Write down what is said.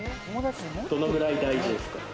どのくらい大事ですか？